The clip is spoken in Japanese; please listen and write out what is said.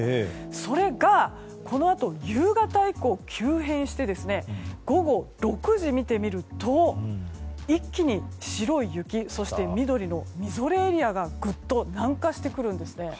それが、このあと夕方以降急変して午後６時を見てみると一気に白い雪そして、緑のみぞれエリアがぐっと南下してくるんですね。